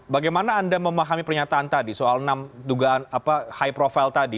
bagaimana anda memahami pernyataan tadi soal enam dugaan high profile tadi